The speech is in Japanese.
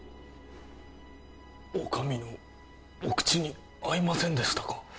お上のお口に合いませんでしたか？